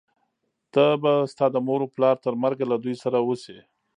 ته به ستا د مور و پلار تر مرګه له دوی سره اوسې،